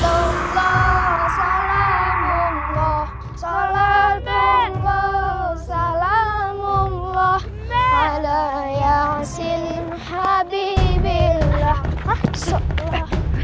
ya allah salamullah sholat umbo salamullah halayah silmuh habibillah sholat umbo